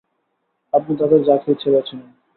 আপনি তাদের যাকে ইচ্ছা বেছে নিন।